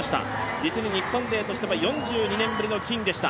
実に日本勢としては４２年ぶりの金でした。